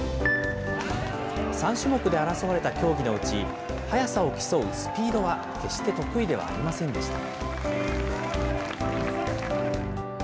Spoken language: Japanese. ３種目で争われた競技のうち、速さを競うスピードは、決して得意ではありませんでした。